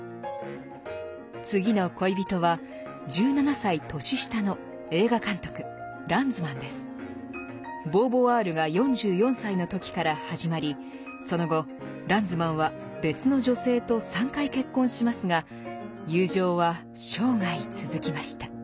次の恋人は１７歳年下のボーヴォワールが４４歳の時から始まりその後ランズマンは別の女性と３回結婚しますが友情は生涯続きました。